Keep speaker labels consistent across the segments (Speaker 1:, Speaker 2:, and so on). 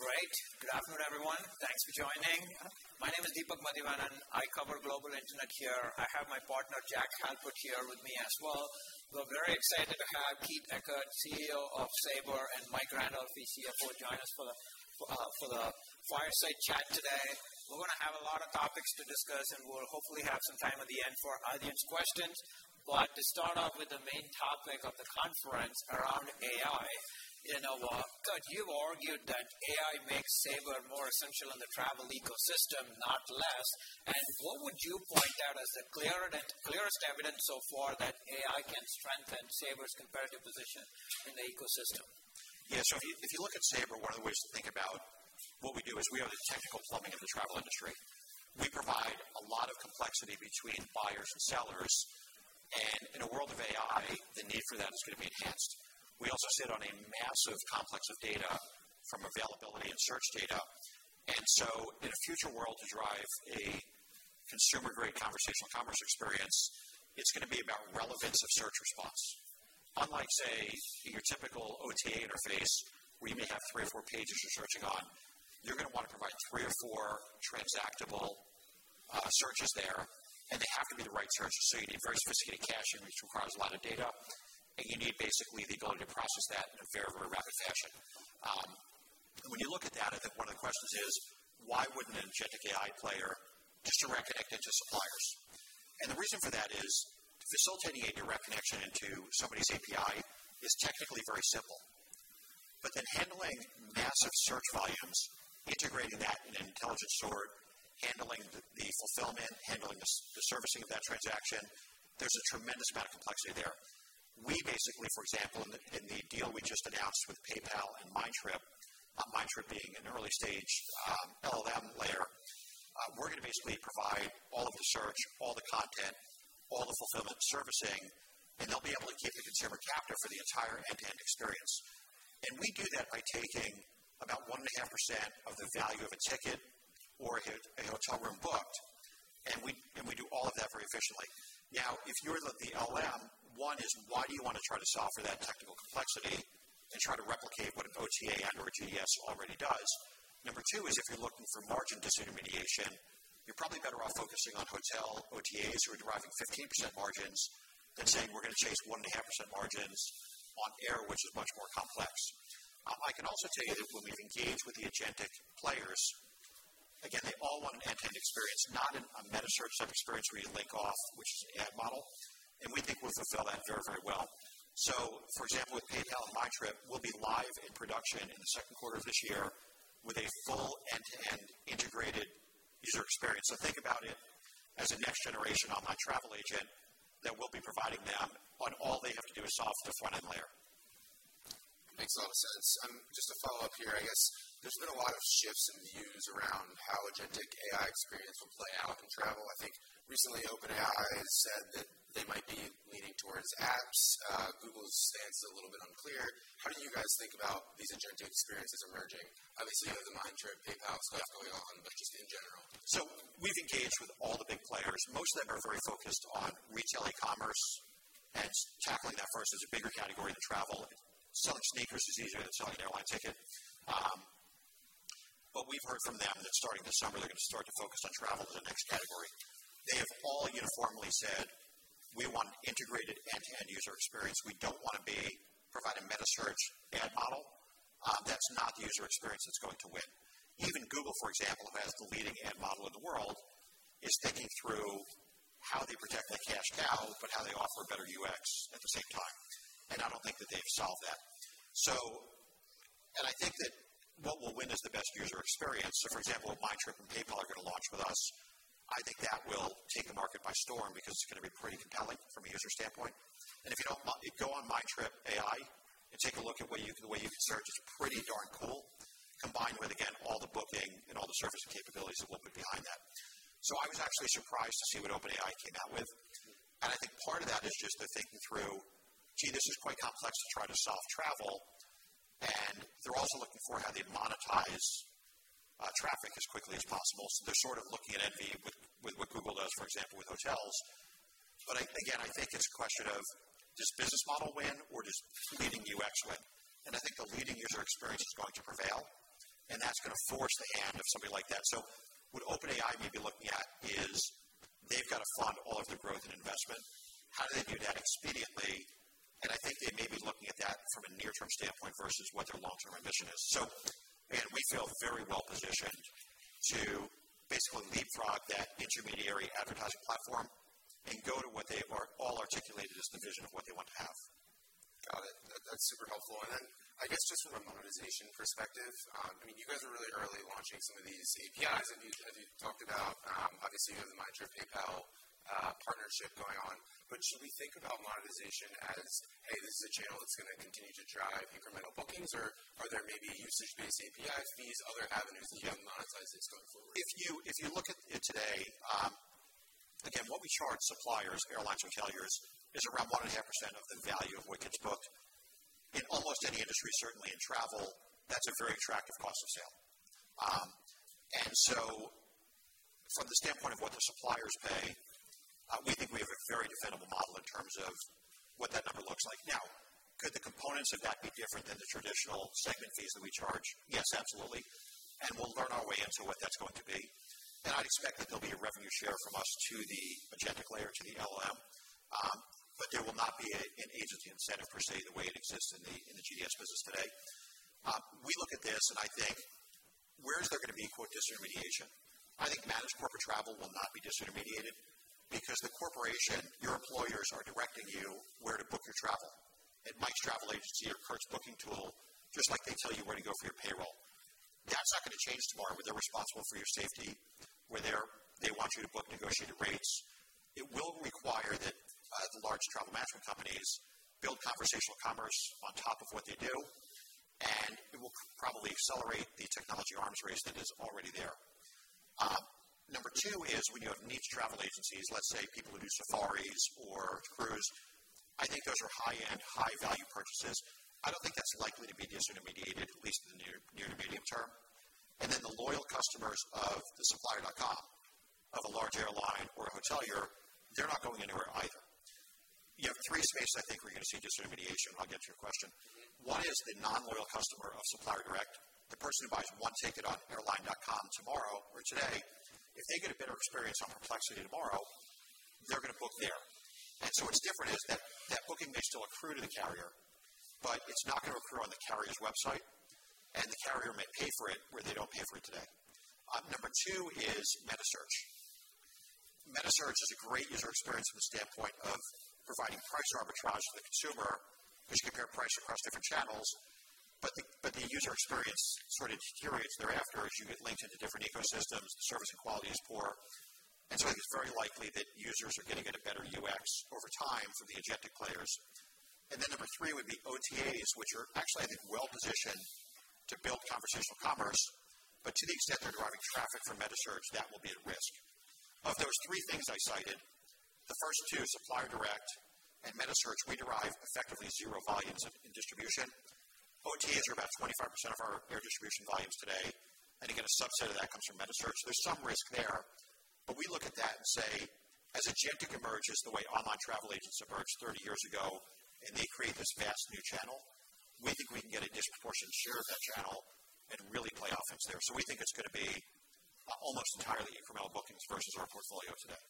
Speaker 1: Great. Good afternoon, everyone. Thanks for joining. My name is Deepak Mathivanan. I cover global internet here. I have my partner, Jack Halpert, here with me as well. We're very excited to have Kurt Ekert, CEO of Sabre, and Mike Randolfi, the CFO, join us for the fireside chat today. We're gonna have a lot of topics to discuss, and we'll hopefully have some time at the end for audience questions. To start off with the main topic of the conference around AI, you know, Kurt, you've argued that AI makes Sabre more essential in the travel ecosystem, not less. What would you point out as the clearest evidence so far that AI can strengthen Sabre's comparative position in the ecosystem?
Speaker 2: Yeah. If you look at Sabre, one of the ways to think about what we do is we are the technical plumbing of the travel industry. We provide a lot of complexity between buyers and sellers, and in a world of AI, the need for that is going to be enhanced. We also sit on a massive complex of data from availability and search data. In a future world, to drive a consumer-grade conversational commerce experience, it's going to be about relevance of search response. Unlike, say, your typical OTA interface, where you may have three or four pages you're searching on, you're going to want to provide three or four transactable searches there, and they have to be the right searches. You need very sophisticated caching, which requires a lot of data, and you need basically the ability to process that in a very, very rapid fashion. When you look at that, I think one of the questions is, why wouldn't a generative AI player just direct connect into suppliers? The reason for that is facilitating a direct connection into somebody's API is technically very simple. Then handling massive search volumes, integrating that in an intelligent sort, handling the fulfillment, handling the servicing of that transaction, there's a tremendous amount of complexity there. We basically, for example, in the deal we just announced with PayPal and Mindtrip, Mindtrip being an early stage LLM layer, we're going to basically provide all of the search, all the content, all the fulfillment servicing, and they'll be able to keep the consumer captive for the entire end-to-end experience. We do that by taking about 1.5% of the value of a ticket or a hotel room booked. We do all of that very efficiently. Now, if you're the LLM, one is why do you want to try to solve for that technical complexity and try to replicate what an OTA and/or a GDS already does? Number two is if you're looking for margin disintermediation, you're probably better off focusing on hotel OTAs who are deriving 15% margins than saying we're going to chase 1.5% margins on air, which is much more complex. I can also tell you that when we've engaged with the agentic players, again, they all want an end-to-end experience, not a metasearch type experience where you link off, which is an ad model, and we think we'll fulfill that very, very well. For example, with PayPal and Mindtrip, we'll be live in production in the second quarter of this year with a full end-to-end integrated user experience. Think about it as a next generation online travel agent that we'll be providing them on all they have to do is solve the front-end layer.
Speaker 1: Makes a lot of sense. Just to follow up here, I guess there's been a lot of shifts in views around how agentic AI experience will play out in travel. I think recently OpenAI has said that they might be leaning towards apps. Google's stance is a little bit unclear. How do you guys think about these agentic experiences emerging? Obviously, you have the Mindtrip, PayPal stuff going on, but just in general.
Speaker 2: We've engaged with all the big players. Most of them are very focused on retail e-commerce, and tackling that first as a bigger category than travel. Selling sneakers is easier than selling an airline ticket. We've heard from them that starting this summer they're going to start to focus on travel as the next category. They have all uniformly said, we want integrated end-to-end user experience. We don't want to be providing metasearch ad model. That's not the user experience that's going to win. Even Google, for example, who has the leading ad model in the world, is thinking through how they protect their cash cow, but how they offer a better UX at the same time, and I don't think that they've solved that. I think that what will win is the best user experience. For example, if Mindtrip and PayPal are going to launch with us, I think that will take the market by storm because it's going to be pretty compelling from a user standpoint. If you don't mind, go on Mindtrip. AI and take a look at the way you can search. It's pretty darn cool. Combined with, again, all the booking and all the service and capabilities of what went behind that. I was actually surprised to see what OpenAI came out with. I think part of that is just they're thinking through, "Gee, this is quite complex to try to solve travel." They're also looking for how they monetize traffic as quickly as possible. They're sort of envious of what Google does, for example, with hotels. Again, I think it's a question of does business model win or does leading UX win? I think the leading user experience is going to prevail, and that's going to force the hand of somebody like that. What OpenAI may be looking at is they've got to fund all of their growth and investment. How do they do that expediently? I think they may be looking at that from a near-term standpoint versus what their long-term ambition is. We feel very well positioned to basically leapfrog that intermediary advertising platform, and go to what they have all articulated as the vision of what they want to have.
Speaker 1: Got it. That's super helpful. Then I guess just from a monetization perspective, I mean you guys are really early launching some of these APIs as you talked about. Obviously you have the Mindtrip, PayPal partnership going on. Should we think about monetization as, hey, this is a channel that's going to continue to drive incremental bookings or are there maybe usage-based APIs, these other avenues that you have to monetize this going forward?
Speaker 2: If you look at it today, again, what we charge suppliers, airlines, hoteliers is around 1.5% of the value of what gets booked. In almost any industry, certainly in travel, that's a very attractive cost of sale. From the standpoint of what the suppliers pay, we think we have a very defendable model in terms of what that number looks like. Now, could the components of that be different than the traditional segment fees that we charge? Yes, absolutely. We'll learn our way into what that's going to be. I'd expect that there'll be a revenue share from us to the agentic layer to the LLM. But there will not be an agency incentive per se, the way it exists in the GDS business today. We look at this and I think where is there gonna be “disintermediation?” I think managed corporate travel will not be disintermediated because the corporation, your employers are directing you where to book your travel at Mike's Travel Agency or Kurt's booking tool, just like they tell you where to go for your payroll. That's not gonna change tomorrow, but they're responsible for your safety, where they want you to book negotiated rates. It will require that the large travel management companies build conversational commerce on top of what they do, and it will probably accelerate the technology arms race that is already there. Number two is when you have niche travel agencies, let's say people who do safaris or cruise. I think those are high-end, high-value purchases. I don't think that's likely to be disintermediated, at least in the near to medium term. Then the loyal customers of the supplier.com of a large airline or a hotelier, they're not going anywhere either. You have three spaces I think we're gonna see disintermediation. I'll get to your question. One is the non-loyal customer of supplier direct. The person who buys one ticket on airline.com tomorrow or today, if they get a better experience on Perplexity tomorrow, they're gonna book there. What's different is that booking may still accrue to the carrier, but it's not gonna accrue on the carrier's website, and the carrier may pay for it where they don't pay for it today. Number two is metasearch. Metasearch is a great user experience from the standpoint of providing price arbitrage to the consumer, which compare price across different channels. The user experience sort of deteriorates thereafter as you get linked into different ecosystems. Service and quality is poor, and so I think it's very likely that users are gonna get a better UX over time from the agentic players. Number three would be OTAs, which are actually, I think, well-positioned to build conversational commerce, but to the extent they're driving traffic from metasearch, that will be at risk. Of those three things I cited, the first two, supplier direct and metasearch, we derive effectively zero volumes in distribution. OTAs are about 25% of our air distribution volumes today, and again, a subset of that comes from metasearch. There's some risk there, but we look at that and say, as agentic emerges the way online travel agents emerged 30 years ago and they create this vast new channel, we think we can get a disproportionate share of that channel and really play offense there. We think it's gonna be almost entirely informal bookings versus our portfolio today.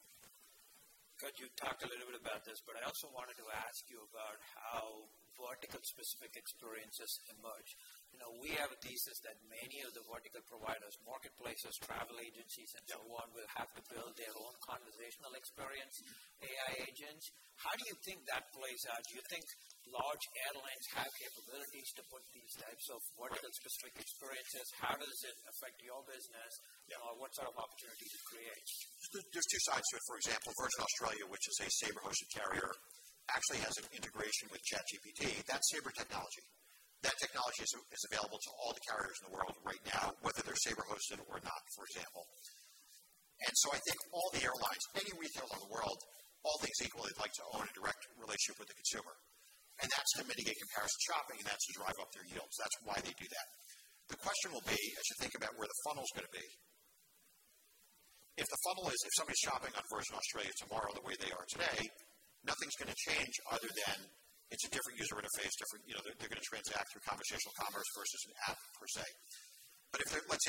Speaker 3: Kurt, you talked a little bit about this, but I also wanted to ask you about how vertical specific experiences emerge? You know, we have a thesis that many of the vertical providers, marketplaces, travel agencies, and so on will have to build their own conversational experience, AI agents. How do you think that plays out? Do you think large airlines have capabilities to put these types of vertical specific experiences? How does it affect your business? You know, what sort of opportunities it creates?
Speaker 2: There's two sides to it. For example, Virgin Australia, which is a Sabre-hosted carrier, actually has an integration with ChatGPT. That's Sabre technology. That technology is available to all the carriers in the world right now, whether they're Sabre-hosted or not, for example. I think all the airlines, any retailer in the world, all things equal, they'd like to own a direct relationship with the consumer, and that's to mitigate comparison shopping, and that's to drive up their yields. That's why they do that. The question will be, as you think about where the funnel's gonna be, if somebody's shopping on Virgin Australia tomorrow the way they are today, nothing's gonna change other than it's a different user interface, different. You know, they're gonna transact through conversational commerce versus an app per se.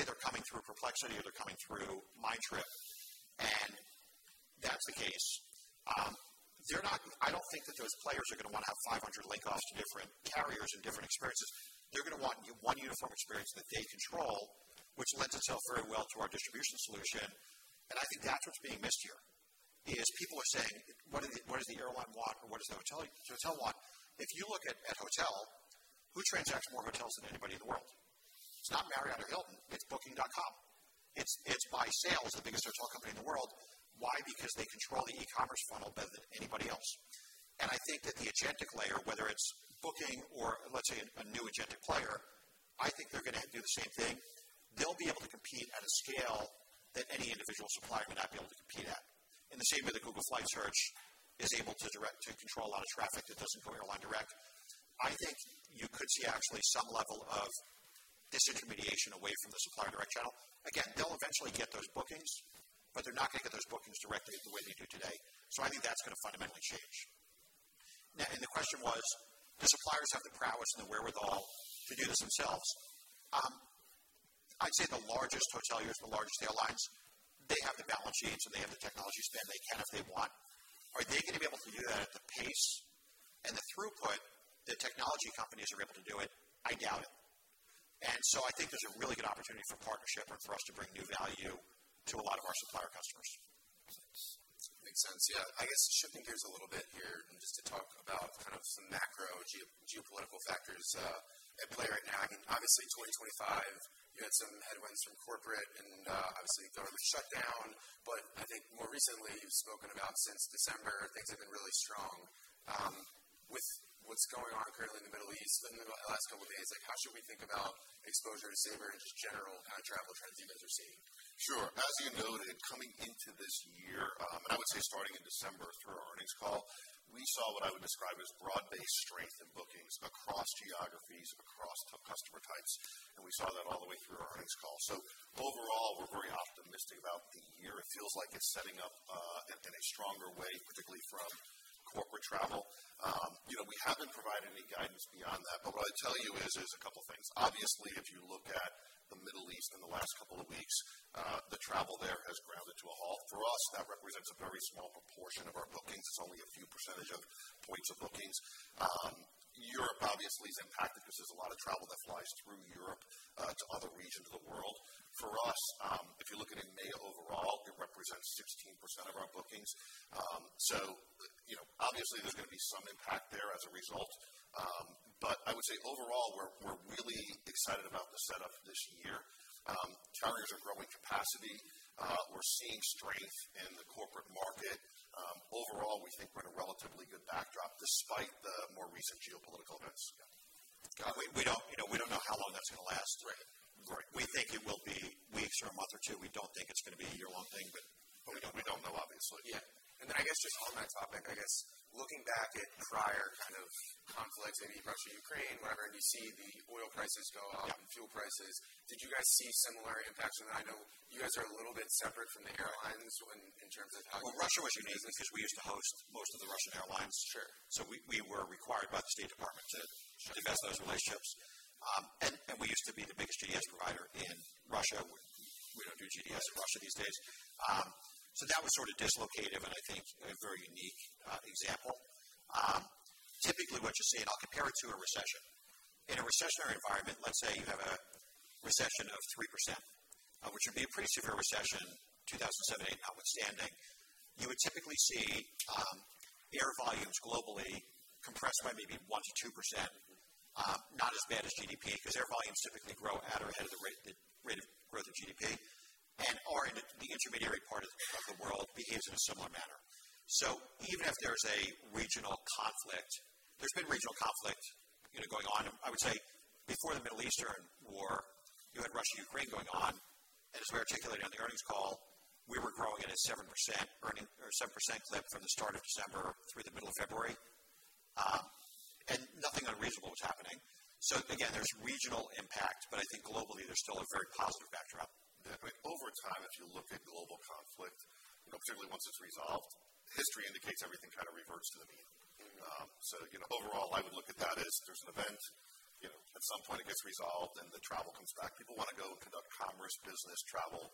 Speaker 2: If they're coming through Perplexity or they're coming through Mindtrip, and that's the case, I don't think that those players are gonna wanna have 500 link offs to different carriers and different experiences. They're gonna want one uniform experience that they control, which lends itself very well to our distribution solution. I think that's what's being missed here, is people are saying, "What does the airline want or what does the hotel want?" If you look at the hotel, who transacts more hotels than anybody in the world? It's not Marriott or Hilton, it's Booking.com. It's by far the biggest travel company in the world. Why? Because they control the e-commerce funnel better than anybody else. I think that the agentic layer, whether it's Booking or let's say a new agentic player, I think they're gonna do the same thing. They'll be able to compete at a scale that any individual supplier would not be able to compete at. In the same way that Google Flights is able to control a lot of traffic that doesn't go airline direct. I think you could see actually some level of disintermediation away from the supplier direct channel. Again, they'll eventually get those bookings, but they're not gonna get those bookings directly the way they do today. I think that's gonna fundamentally change. The question was, do suppliers have the prowess and the wherewithal to do this themselves? I'd say the largest hoteliers and the largest airlines, they have the balance sheets and they have the technology spend. They can if they want. Are they gonna be able to do that at the pace, and the throughput that technology companies are able to do it? I doubt it. I think there's a really good opportunity for partnership, and for us to bring new value to a lot of our supplier customers.
Speaker 1: Makes sense. Yeah. I guess shifting gears a little bit here and just to talk about kind of some macro geopolitical factors at play right now. I mean, obviously 2025 you had some headwinds from corporate and obviously the shutdown, but I think more recently you've spoken about since December, things have been really strong, with what's going on currently in the Middle East within the last couple days. Like how should we think about exposure to Sabre and just general kind of travel trends you guys are seeing?
Speaker 4: Sure. As you noted, coming into this year, and I would say starting in December through our earnings call, we saw what I would describe as broad-based strength in bookings across geographies, across customer types. We saw that all the way through our earnings call. Overall, we're very optimistic about the year. It feels like it's setting up in a stronger way, particularly from corporate travel. You know, we haven't provided any guidance beyond that. What I'd tell you is a couple things. Obviously, if you look at the Middle East in the last couple of weeks, the travel there has grounded to a halt. For us, that represents a very small proportion of our bookings. It's only a few percentage points of bookings. Europe obviously is impacted because there's a lot of travel that flies through Europe to other regions of the world. For us, if you're looking at May overall, it represents 16% of our bookings. You know, obviously there's going to be some impact there as a result. I would say overall, we're really excited about the setup this year. Carriers are growing capacity. We're seeing strength in the corporate market. Overall, we think we're in a relatively good backdrop despite the more recent geopolitical events.
Speaker 1: Yeah. Got it.
Speaker 2: We don't know how long that's gonna last.
Speaker 1: Right.
Speaker 2: We think it will be weeks or a month or two. We don't think it's gonna be a year-long thing, but we don't know, obviously.
Speaker 1: Yeah. Then I guess just on that topic, I guess looking back at prior kind of conflicts, maybe Russia, Ukraine, wherever, and you see the oil prices go up and fuel prices. Did you guys see similar impacts? I know you guys are a little bit separate from the airlines when in terms of how you-
Speaker 2: Well, Russia was unique because we used to host most of the Russian airlines.
Speaker 1: Sure.
Speaker 2: We were required by the State Department to.
Speaker 1: Sure.
Speaker 2: Divest those relationships. We used to be the biggest GDS provider in Russia. We don't do GDS in Russia these days. That was sort of disruptive, and I think a very unique example. Typically what you see, and I'll compare it to a recession. In a recessionary environment, let's say you have a recession of 3%, which would be a pretty severe recession, 2007-08 outstanding. You would typically see air volumes globally compressed by maybe 1%-2%. Not as bad as GDP because air volumes typically grow at or ahead of the rate of growth of GDP, and/or in the intermediary part of the world behaves in a similar manner. Even if there's a regional conflict, there's been regional conflict, you know, going on. I would say before the Middle Eastern War, you had Russia, Ukraine going on. As we articulated on the earnings call, we were growing at a 7% year-over-year or 7% clip from the start of December through the middle of February. Nothing unreasonable was happening. Again, there's regional impact, but I think globally there's still a very positive backdrop. Over time, if you look at global conflict, you know, generally once it's resolved, history indicates everything kind of reverts to the mean. You know, overall, I would look at that as there's an event, you know, at some point it gets resolved and the travel comes back. People want to go conduct commerce, business, travel.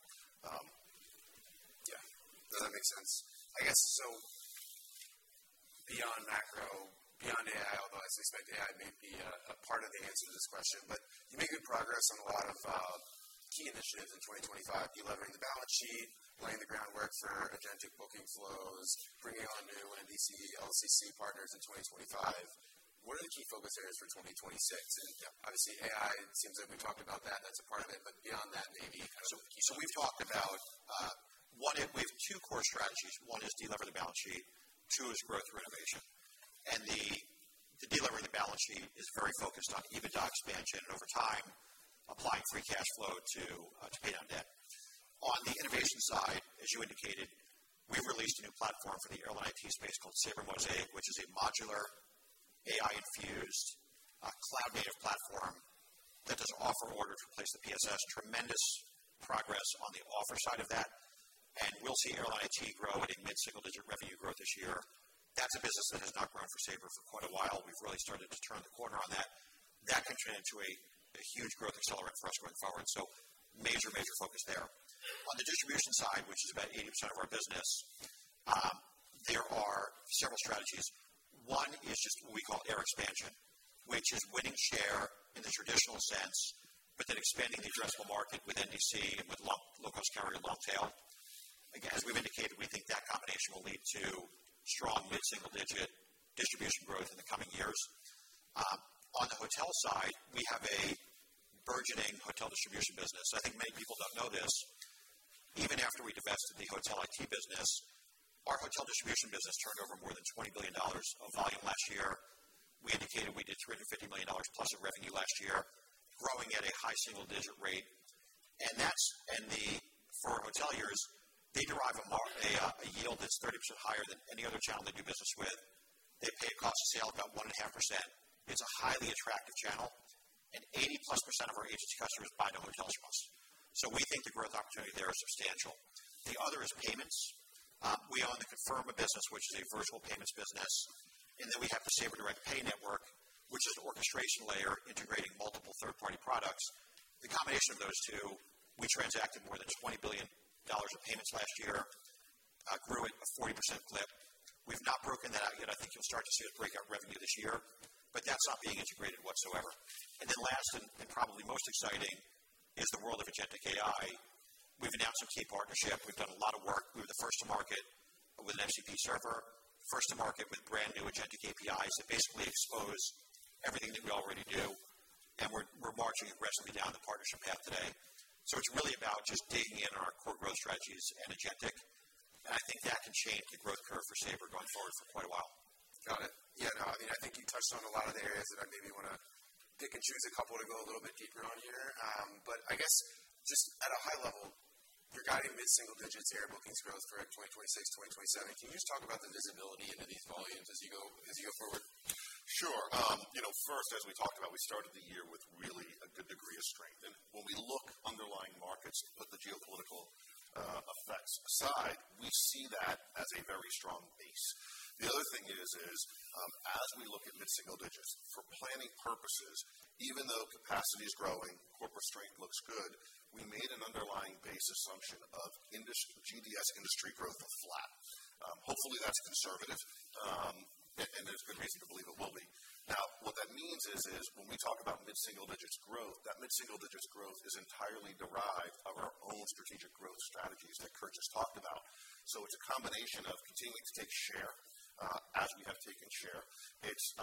Speaker 1: Does that make sense? I guess so beyond macro, beyond AI, although I suspect AI may be a part of the answer to this question, but you made good progress on a lot of key initiatives in 2025. Delevering the balance sheet, laying the groundwork for agentic booking flows, bringing on new NDC/LCC partners in 2025. What are the key focus areas for 2026? Obviously AI, it seems like we talked about that as a part of it, but beyond that, maybe kind of the key.
Speaker 2: We've talked about we have two core strategies. One is delever the balance sheet, two is growth through innovation. The delevering the balance sheet is very focused on EBITDA expansion and over time, applying free cash flow to pay down debt. On the innovation side, as you indicated, we released a new platform for the airline seat space called Sabre Mosaic, which is a modular AI infused cloud native platform that does offer orders to replace the PSS. Tremendous progress on the offer side of that. We'll see airline seat grow at a mid-single digit revenue growth this year. That's a business that has not grown for Sabre for quite a while. We've really started to turn the corner on that. That could turn into a huge growth accelerant for us going forward. Major focus there. On the distribution side, which is about 80% of our business, there are several strategies. One is just what we call air expansion, which is winning share in the traditional sense, but then expanding the addressable market with NDC and with low-cost carrier long tail. Again, as we've indicated, we think that combination will lead to strong mid-single-digit distribution growth in the coming years. On the hotel side, we have a burgeoning hotel distribution business. I think many people don't know this. Even after we divested the hotel IT business, our hotel distribution business turned over more than $20 billion of volume last year. We indicated we did $250 million+ of revenue last year, growing at a high single-digit rate. For hoteliers, they derive a yield that's 30% higher than any other channel they do business with. They pay cost of sale about 1.5%. It's a highly attractive channel, and 80%+ of our agency customers buy no hotels from us. We think the growth opportunity there is substantial. The other is payments. We own the Conferma business, which is a virtual payments business. We have the Sabre Direct Pay network, which is an orchestration layer integrating multiple third-party products. The combination of those two, we transacted more than $20 billion of payments last year, grew at a 40% clip. We've not broken that out yet. I think you'll start to see us break out revenue this year, but that's not being integrated whatsoever. Then last, and probably most exciting is the world of agentic AI. We've announced a key partnership. We've done a lot of work. We were the first to market with an MCP server, first to market with brand new agentic APIs that basically expose everything that we already do. We're marching aggressively down the partnership path today. It's really about just digging in on our core growth strategies and agentic. I think that can change the growth curve for Sabre going forward for quite a while.
Speaker 1: Got it. Yeah, no, I think you touched on a lot of the areas that I maybe want to pick and choose a couple to go a little bit deeper on here. I guess just at a high level, you're guiding mid-single digits air bookings growth for 2026, 2027. Can you just talk about the visibility into these volumes as you go forward?
Speaker 4: Sure. You know, first, as we talked about, we started the year with really a good degree of strength. When we look at underlying markets, put the geopolitical effects aside, we see that as a very strong base. The other thing is, as we look at mid-single digits for planning purposes, even though capacity is growing, corporate strength looks good. We made an underlying base assumption of industry GDS industry growth of flat. Hopefully that's conservative, and there's good reason to believe it will be. Now, what that means is when we talk about mid-single digits growth, that mid-single digits growth is entirely derived of our own strategic growth strategies that Kurt just talked about. It's a combination of continuing to take share, as we have taken share. It's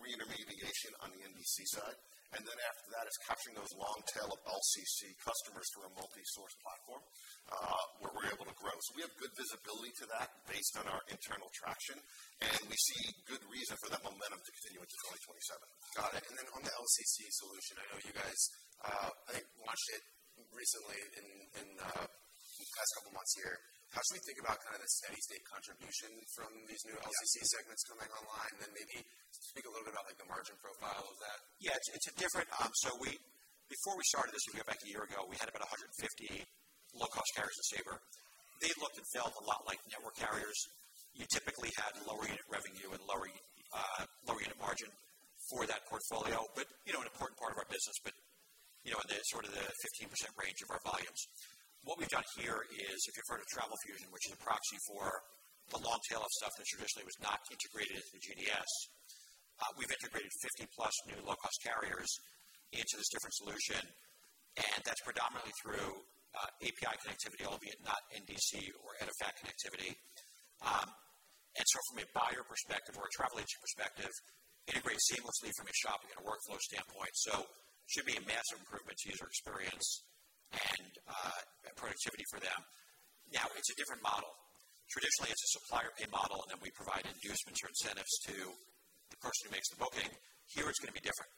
Speaker 4: re-intermediation on the NDC side, and then after that it's capturing those long tail of LCC customers to a multi-source platform, where we're able to grow. We have good visibility to that based on our internal traction, and we see good reason for that momentum to continue into 2027.
Speaker 1: Got it. On the LCC solution, I know you guys I think launched it recently in the past couple of months here. How should we think about kind of the steady-state contribution from these new LCC segments coming online? Maybe speak a little bit about like the margin profile of that.
Speaker 2: Yeah, it's a different. Before we started this, if you go back a year ago, we had about 150 low-cost carriers at Sabre. They looked and felt a lot like network carriers. You typically had lower unit revenue and lower unit margin for that portfolio. You know, an important part of our business. You know, in the sort of the 15% range of our volumes. What we've done here is if you've heard of Travelfusion, which is a proxy for the long tail of stuff that traditionally was not integrated into GDS. We've integrated 50+ new low-cost carriers into this different solution, and that's predominantly through API connectivity, albeit not NDC or EDIFACT connectivity. From a buyer perspective or a travel agent perspective, integrates seamlessly from a shopping and a workflow standpoint. It should be a massive improvement to user experience and productivity for them. Now it's a different model. Traditionally it's a supplier pay model, and then we provide inducements or incentives to the person who makes the booking. Here it's going to be different.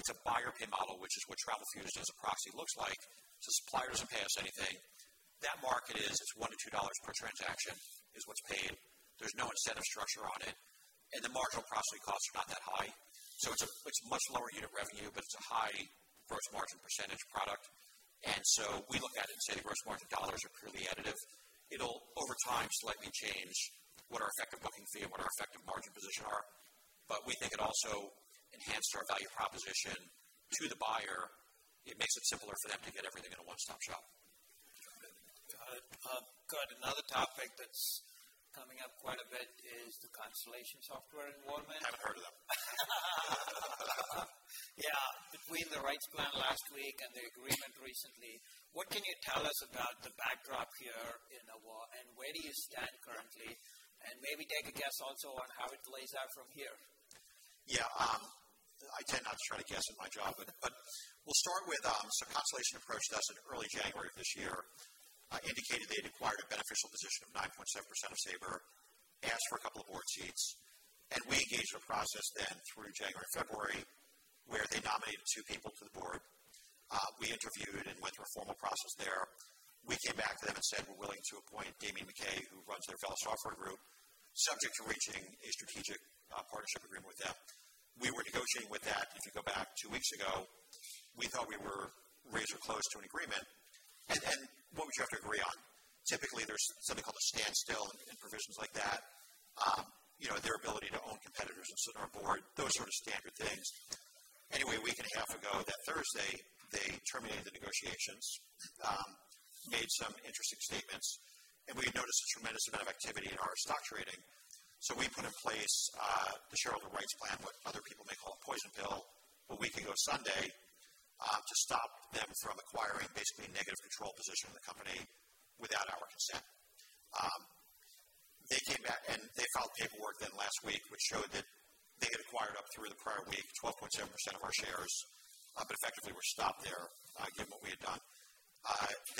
Speaker 2: It's a buyer pay model, which is what Travelfusion as a proxy looks like. The supplier doesn't pay us anything. That market is $1-$2 per transaction is what's paid. There's no incentive structure on it, and the marginal processing costs are not that high. It's much lower unit revenue, but it's a high gross margin percentage product. We look at it and say the gross margin dollars are purely additive. It'll over time slightly change what our effective booking fee, and what our effective margin position are. We think it also enhances our value proposition to the buyer. It makes it simpler for them to get everything in a one-stop shop.
Speaker 1: Got it.
Speaker 3: Got it. Got another topic that's coming up quite a bit is the Constellation Software involvement.
Speaker 2: I've heard of them.
Speaker 3: Yeah. Between the rights plan last week and the agreement recently, what can you tell us about the backdrop to the whole, and where do you stand currently? Maybe take a guess also on how it plays out from here.
Speaker 2: Yeah. I tend not to try to guess at my job, but we'll start with so Constellation approached us in early January of this year, indicated they had acquired a beneficial position of 9.7% of Sabre. They asked for a couple of board seats, and we engaged a process then through January, February, where they nominated two people to the board. We interviewed and went through a formal process there. We came back to them and said, "We're willing to appoint Damian McKay, who runs their Vela Software Group, subject to reaching a strategic partnership agreement with them." We were negotiating with that. If you go back two weeks ago, we thought we were razor close to an agreement. What would you have to agree on? Typically, there's something called a standstill and provisions like that. You know, their ability to own competitors and sit on our board, those sort of standard things. Anyway, a week and a half ago that Thursday, they terminated the negotiations, made some interesting statements, and we had noticed a tremendous amount of activity in our stock trading. We put in place the shareholder rights plan, what other people may call a poison pill, a week ago Sunday, to stop them from acquiring basically a negative control position in the company without our consent. They came back and they filed paperwork then last week, which showed that they had acquired up through the prior week 12.7% of our shares, but effectively were stopped there, given what we had done.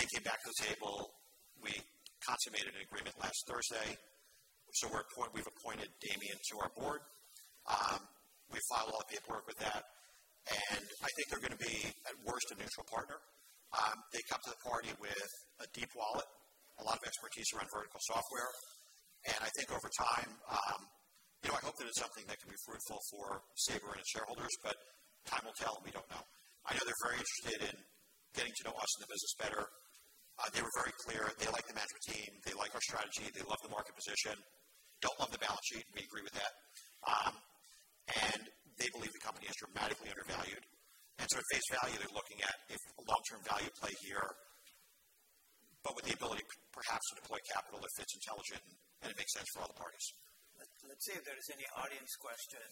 Speaker 2: They came back to the table. We consummated an agreement last Thursday. We've appointed Damian to our board. We filed all the paperwork with that, and I think they're gonna be at worst a neutral partner. They come to the party with a deep wallet, a lot of expertise around vertical software. I think over time, you know, I hope that it's something that can be fruitful for Sabre and its shareholders, but time will tell. We don't know. I know they're very interested in getting to know us and the business better. They were very clear. They like the management team. They like our strategy. They love the market position. Don't love the balance sheet. We agree with that. They believe the company is dramatically undervalued. At face value, they're looking at a long-term value play here, but with the ability perhaps to deploy capital if it's intelligent and it makes sense for all the parties.
Speaker 3: Let's see if there's any audience question,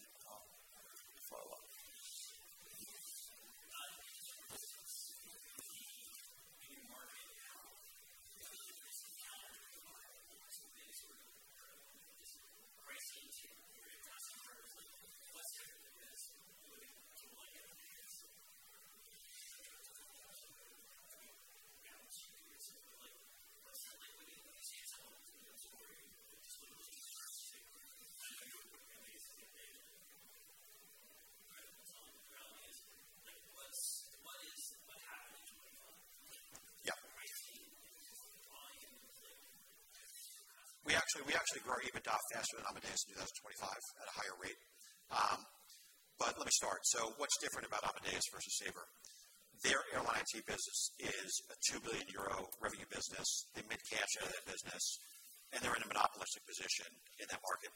Speaker 3: follow-up.
Speaker 5: Got it. This is the new market now, especially this category of market.
Speaker 2: We actually grew EBITDA faster than Amadeus in 2025 at a higher rate. Let me start. What's different about Amadeus versus Sabre? Their airline seat business is a 2 billion euro revenue business. They made cash out of that business, and they're in a monopolistic position in that market.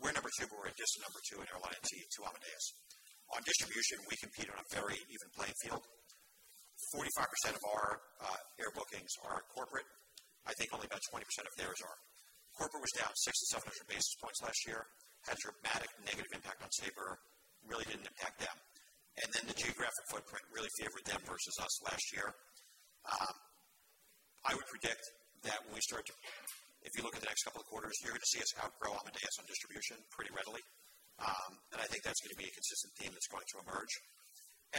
Speaker 2: We're number two. We're at just number two in airline seat to Amadeus. On distribution, we compete on a very even playing field. 45% of our air bookings are corporate. I think only about 20% of theirs are. Corporate was down 600-700 basis points last year. Had dramatic negative impact on Sabre. Really didn't impact them. The geographic footprint really favored them versus us last year. I would predict that if you look at the next couple of quarters, you're going to see us outgrow Amadeus on distribution pretty readily. I think that's going to be a consistent theme that's going to emerge.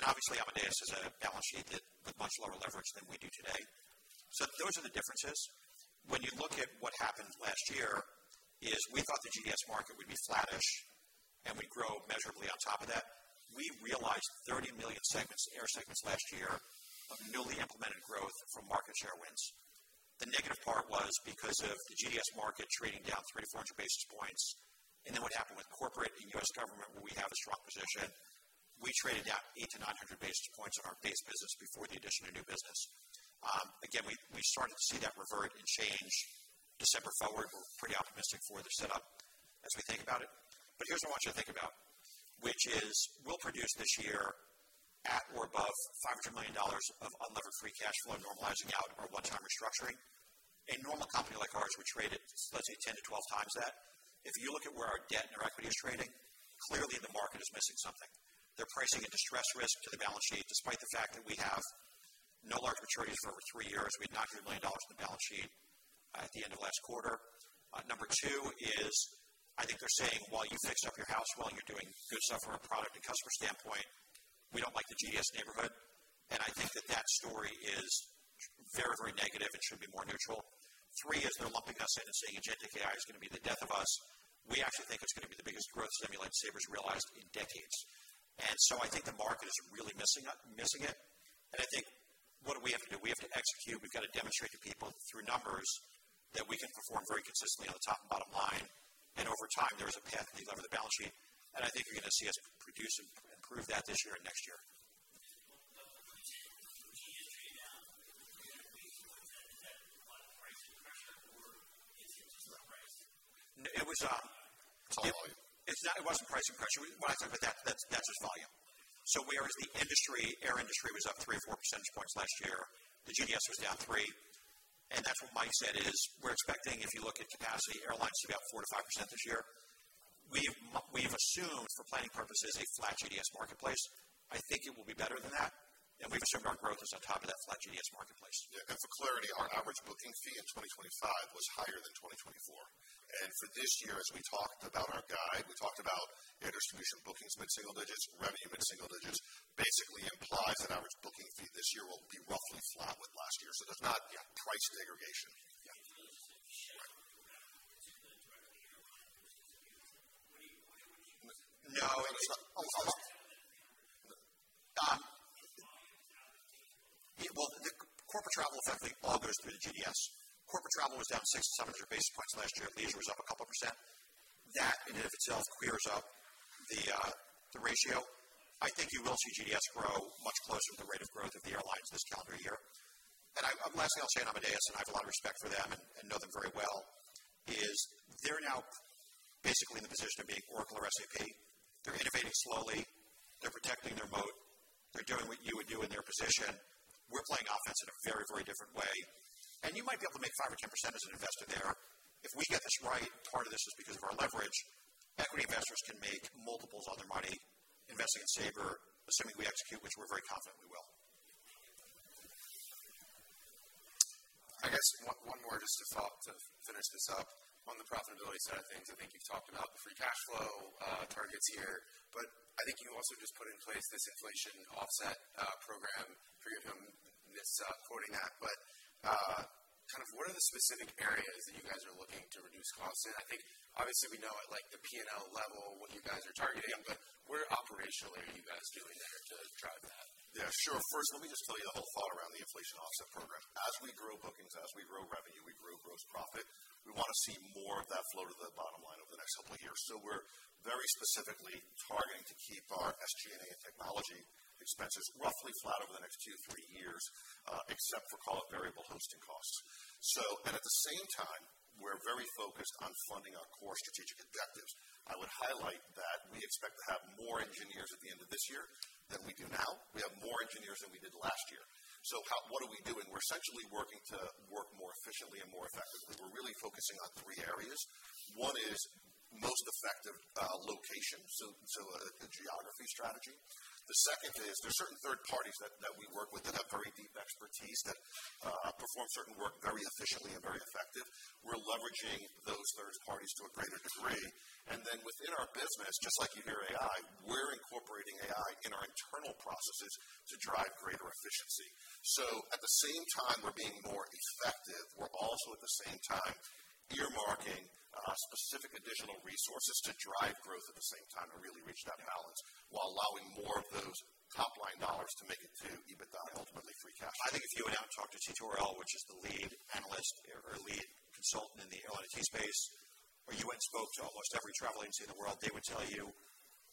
Speaker 2: Obviously, Amadeus has a balance sheet that, with much lower leverage than we do today. Those are the differences. When you look at what happened last year, we thought the GDS market would be flattish, and we'd grow measurably on top of that. We realized 30 million segments, air segments last year of newly implemented growth from market share wins. The negative part was because of the GDS market trading down 300-400 basis points. What happened with corporate and US government, where we have a strong position, we traded down 800-900 basis points on our base business before the addition of new business. Again, we started to see that revert and change December forward. We're pretty optimistic for the setup as we think about it. Here's what I want you to think about, which is we'll produce this year at or above $500 million of unlevered free cash flow normalizing out our one-time restructuring. A normal company like ours would trade at, let's say, 10-12x that. If you look at where our debt and our equity is trading, clearly the market is missing something. They're pricing a distress risk to the balance sheet, despite the fact that we have no large maturities for over three years. We had $900 million on the balance sheet at the end of last quarter. Number two is I think they're saying while you fix up your house, while you're doing good stuff from a product and customer standpoint, we don't like the GDS neighborhood. I think that story is very, very negative and should be more neutral. Three is they're lumping us in and saying agentic AI is going to be the death of us. We actually think it's going to be the biggest growth stimulant Sabre's realized in decades. I think the market is really missing it. I think what do we have to do? We have to execute. We've got to demonstrate to people through numbers that we can perform very consistently on the top and bottom line. Over time, there is a path to delever the balance sheet. I think you're going to see us produce and improve that this year and next year. It wasn't pricing pressure. That's just volume. Whereas the industry, air industry was up three or four percentage points last year, the GDS was down three. That's what Mike said is we're expecting, if you look at capacity, airlines to be up 4%-5% this year. We've assumed for planning purposes a flat GDS marketplace. I think it will be better than that. We've assumed our growth is on top of that flat GDS marketplace.
Speaker 4: Yeah. For clarity, our average booking fee in 2025 was higher than 2024. For this year, as we talked about our guidance, we talked about air distribution bookings mid-single digits, revenue mid-single digits basically implies that average booking fee this year will be roughly flat with last year. There's not price degradation. Yeah.
Speaker 2: No, it's not. Don. Well, the corporate travel effectively all goes through the GDS. Corporate travel was down 600-700 basis points last year. Leisure was up a couple of percent. That in and of itself clears up the ratio. I think you will see GDS grow much closer to the rate of growth of the airlines this calendar year. Lastly, I'll say on Amadeus, and I have a lot of respect for them and know them very well, is they're now basically in the position of being Oracle or SAP. They're innovating slowly. They're protecting their moat. They're doing what you would do in their position. We're playing offense in a very, very different way. You might be able to make 5%-10% as an investor there. If we get this right, part of this is because of our leverage. Equity investors can make multiples on their money investing in Sabre, assuming we execute, which we're very confident we will.
Speaker 1: I guess one more just a thought to finish this up. On the profitability side of things, I think you've talked about the free cash flow targets here, but I think you also just put in place this Inflation Offset Program for which this quoting that. Kind of what are the specific areas that you guys are looking to reduce costs in? I think obviously we know at like the P&L level what you guys are targeting, but where operationally are you guys doing there to drive that?
Speaker 4: Yeah, sure. First, let me just tell you the whole thought around the Inflation Offset Program. As we grow bookings, as we grow revenue, we grow gross profit, we want to see more of that flow to the bottom line over the next couple of years. We're very specifically targeting to keep our SG&A and technology expenses roughly flat over the next two, three years, except for, call it, variable hosting costs. At the same time, we're very focused on funding our core strategic objectives. I would highlight that we expect to have more engineers at the end of this year than we do now. We have more engineers than we did last year. What are we doing? We're essentially working to work more efficiently and more effectively. We're really focusing on three areas. One is most effective location, so a geography strategy. The second is there are certain third parties that we work with that have very deep expertise that perform certain work very efficiently and very effective. We're leveraging those third parties to a greater degree. Then within our business, just like you hear AI, we're incorporating AI in our internal processes to drive greater efficiency. At the same time we're being more effective, we're also at the same time earmarking specific additional resources to drive growth at the same time to really reach that balance while allowing more of those top-line dollars to make it to EBITDA, ultimately free cash flow.
Speaker 2: I think if you went out and talked to T2RL, which is the lead analyst or lead consultant in the airline seat space, or you went and spoke to almost every travel agency in the world, they would tell you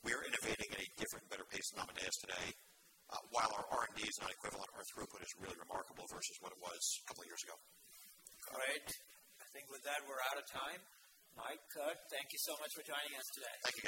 Speaker 2: we are innovating at a different and better pace than Amadeus today. While our R&D is not equivalent, our throughput is really remarkable versus what it was a couple of years ago.
Speaker 3: All right. I think with that, we're out of time. Mike, Kurt, thank you so much for joining us today.
Speaker 2: Thank you.